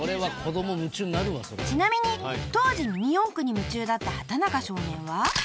［ちなみに当時ミニ四駆に夢中だった畠中少年は］